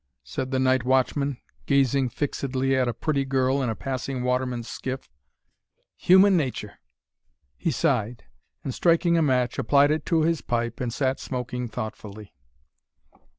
said the night watchman, gazing fixedly at a pretty girl in a passing waterman's skiff. "Human natur'!" He sighed, and, striking a match, applied it to his pipe and sat smoking thoughtfully.